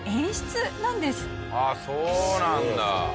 あっそうなんだ。